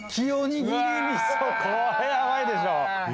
これやばいでしょ。